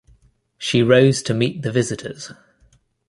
She rose to meet the visitors.